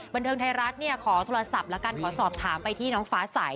บันเทิงไทยรัฐเนี่ยขอโทรศัพท์แล้วกันขอสอบถามไปที่น้องฟ้าใส